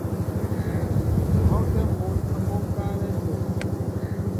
U hɔ́kɛ́ mǔn ǎ kwónkálɛ́ tə̂.